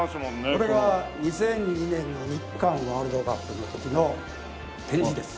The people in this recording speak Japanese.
これが２００２年の日韓ワールドカップの時の展示です。